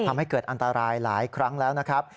ทำให้เกิดอันตรายหลายครั้งแล้วนะครับ